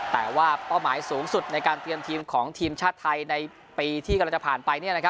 แต่ว่าเป้าหมายสูงสุดในการเตรียมทีมของทีมชาติไทยในปีที่กำลังจะผ่านไป